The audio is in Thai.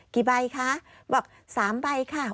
กี่ใบคะบอก๓ใบค่ะ